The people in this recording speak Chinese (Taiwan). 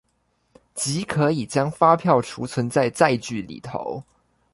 即可以將發票儲存在載具裏頭